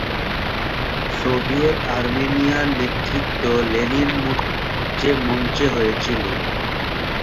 Soviet আর্মেনিয়ার নেতৃত্ব Lenin মূর্তির নিচে, মঞ্চে হয়েছিল।